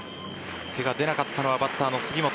手が出なかったのはバッターの杉本。